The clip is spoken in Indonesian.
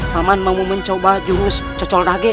paman mau mencoba jurus cocoldage